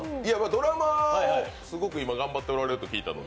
ドラマをすごく今頑張っておられると聞いたので。